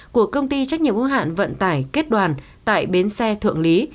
của công ty trách nhiệm hữu hạn vận tải kết đoàn tại bến xe thượng lý